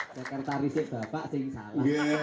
sekretarisnya bapak sing salah